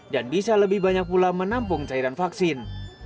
dan bisa lebih banyak pula menampung cairan vaksin